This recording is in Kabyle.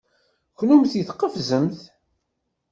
Kennemti tqefzemt.